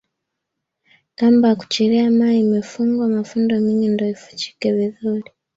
Kamba a kuchilia mai imefungwa mafundo mingi ndio ivuchike vidhuri